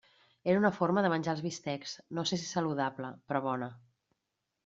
Era una forma de menjar els bistecs, no sé si saludable, però bona.